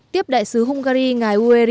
tiếp đại sứ hungary ngài ueri chobo